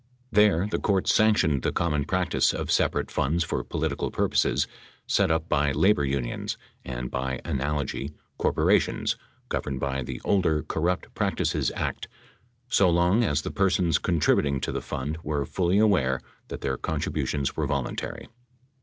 There, the Court sanctioned the common practice of separate funds for political purposes set up by 551 labor unions — and by analogy, corporations — governed by the older Corrupt Practices Act, so long as the persons contributing to the fund were fully aware that their contributions were voluntary.